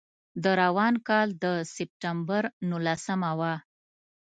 د روان کال د سپټمبر نولسمه وه.